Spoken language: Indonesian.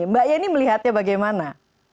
mbak yeni melihatnya bagaimana